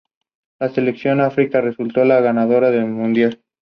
Está clasificado como especie bajo preocupación menor.